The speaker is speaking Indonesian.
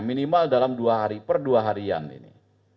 minimal dalam dua hari per dua harian ini